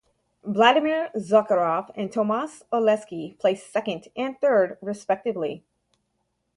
Vladimir Zakharov and Tomasz Oleksy placed second and third respectively.